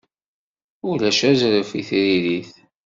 Ulac azref i tririt.